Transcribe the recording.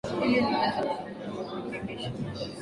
ili niweze rekebisha